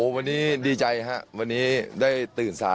พี่โอ๋จะอะไร๒เดือนเหรอมั้ย